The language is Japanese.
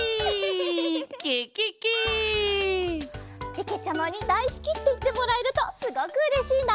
けけちゃまにだいすきっていってもらえるとすごくうれしいな。